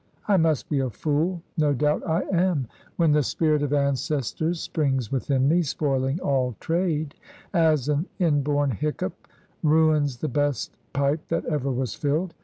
I must be a fool; no doubt I am, when the spirit of ancestors springs within me, spoiling all trade; as an inborn hiccough ruins the best pipe that ever was filled.